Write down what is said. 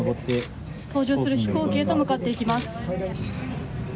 搭乗する飛行機へと向かっていきます。